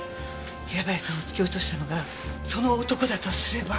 平林さんを突き落としたのがその男だとすれば。